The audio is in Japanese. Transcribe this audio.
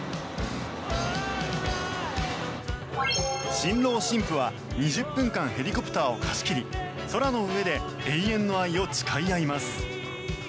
新郎新婦は２０分間ヘリコプターを貸し切り空の上で永遠の愛を誓い合います。